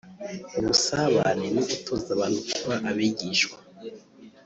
ubusabane no gutoza abantu kuba abigishwa